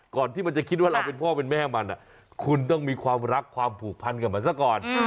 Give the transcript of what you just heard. ที่มันจะคิดว่าเราเป็นพ่อเป็นแม่มันคุณต้องมีความรักความผูกพันกับมันซะก่อน